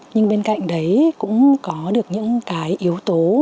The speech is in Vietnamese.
nhưng bên cạnh đấy cũng có được những cái yếu tố